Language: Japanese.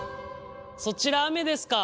そちら雨ですか。